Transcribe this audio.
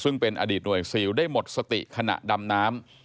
ซึ่งเป็นอดีตหน่วยซิลได้หมดสติขณะดำน้ำ